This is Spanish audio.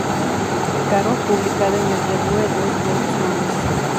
Caro, publicada en el "Revue des deux mondes".